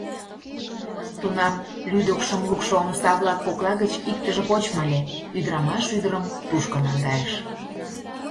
Тунам лӱдыкшым лукшо омса-влак кокла гыч иктыже почмо ыле, ӱдырамаш ӱдырым тушко наҥгайыш.